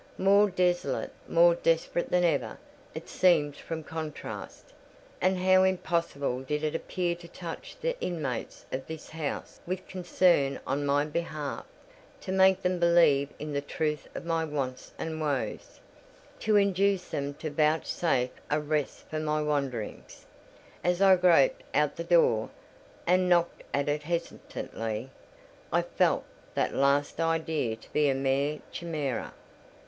More desolate, more desperate than ever, it seemed from contrast. And how impossible did it appear to touch the inmates of this house with concern on my behalf; to make them believe in the truth of my wants and woes—to induce them to vouchsafe a rest for my wanderings! As I groped out the door, and knocked at it hesitatingly, I felt that last idea to be a mere chimera.